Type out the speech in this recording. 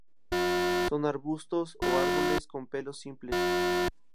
Son arbustos o árboles, con pelos simples.